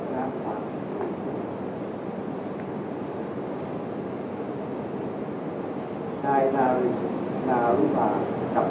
สวัสดีครับสวัสดีครับสวัสดีครับสวัสดีครับ